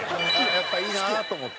やっぱいいなと思って。